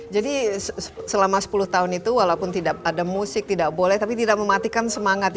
jadi selama sepuluh tahun itu walaupun tidak ada musik tidak boleh tapi tidak mematikan semangat ya